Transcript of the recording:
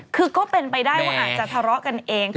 คือก็เป็นไปได้ว่าอาจจะทะเลาะกันเอง